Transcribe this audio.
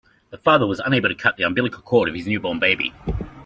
The father was unable to cut the umbilical cord of his newborn baby.